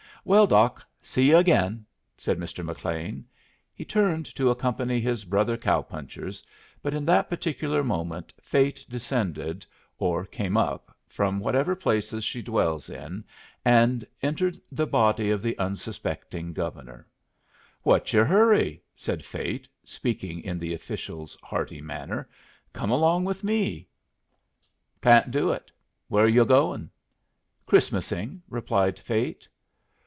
"Well, Doc, see yu' again," said Mr. McLean. He turned to accompany his brother cow punchers, but in that particular moment Fate descended or came up from whatever place she dwells in and entered the body of the unsuspecting Governor. "What's your hurry?" said Fate, speaking in the official's hearty manner. "Come along with me." "Can't do it. Where are yu' goin'?" "Christmasing," replied Fate.